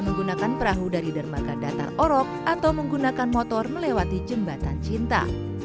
menggunakan perahu dari dermaga datar orok atau menggunakan motor melewati jembatan cinta